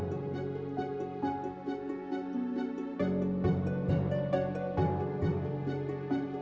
maafin papa sekali